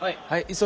はい。